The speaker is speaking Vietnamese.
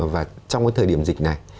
và trong cái thời điểm dịch này